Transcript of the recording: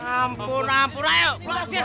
ampun ampun ayo keluar sih